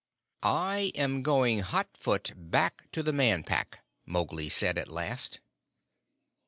"I am going hot foot back to the Man Pack," Mowgli said at last.